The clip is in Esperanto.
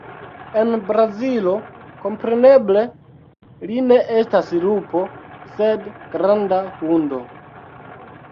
En Brazilo, kompreneble, li ne estas lupo, sed "granda hundo".